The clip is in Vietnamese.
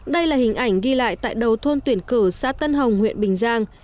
đây là hình ảnh ghi lại tại đầu thôn tuyển cử xã tân hồng huyện bình giang